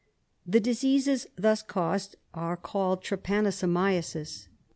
The diseases thus caused are called trypanosomiasis.